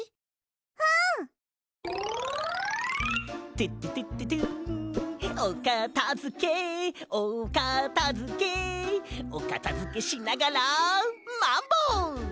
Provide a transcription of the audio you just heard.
「トゥットゥットゥットゥン」「おかたづけおかたづけ」おかたづけしながらマンボ！